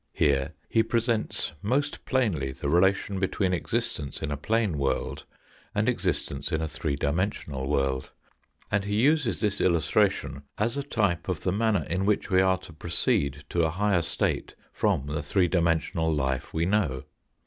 Here he presents most plainly the relation between existence in a plane world and existence in a three dimensional world. And he uses this illustration as a type of the manner in which we are to proceed to a higher state from the three dimensional life we know.